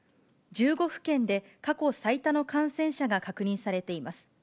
１５府県で過去最多の感染者が確認されています。